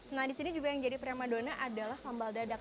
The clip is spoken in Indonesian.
nah disini juga yang jadi prima donna adalah sambal dadak